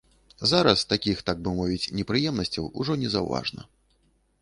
Зараз такіх, так бы мовіць, непрыемнасцяў ужо незаўважна.